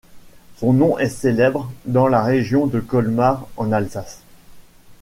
Son nom est célèbre dans la région de Colmar en Alsace.